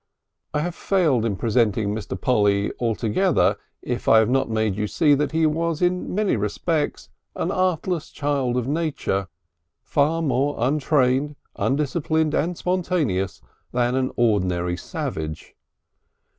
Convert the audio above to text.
I have failed in presenting Mr. Polly altogether if I have not made you see that he was in many respects an artless child of Nature, far more untrained, undisciplined and spontaneous than an ordinary savage.